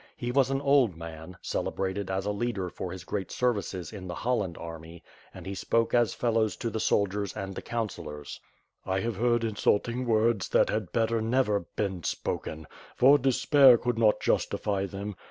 He was an old man, celebrated as a leader for his great services in the Holland army, and he spoke as follows to the soldiers and the councillors: "I have heard insulting words that had better never been spoken, for .despair could not justify them.